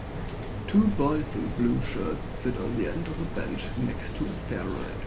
Two boys in blue shirts sit on the end of a bench next to a fair ride.